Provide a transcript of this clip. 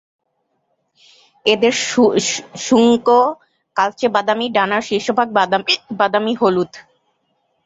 এদের শুঙ্গ কালচে বাদামী, ডানার শীর্ষভাগ বাদামী হলুদ।